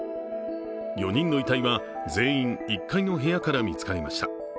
４人の遺体は全員、１階の部屋から見つかりました。